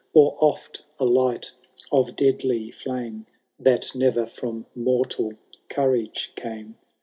Bore oft a light of deadly flame. That ne^er from mortal courage came.